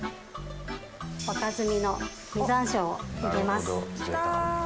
若摘みの実山椒を入れます。